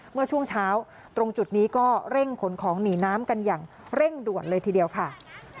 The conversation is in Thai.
เมื่อช่วงเช้าตรงจุดนี้ก็เร่งขนของหนีน้ำกันอย่างเร่งด่วนเลยทีเดียวค่ะ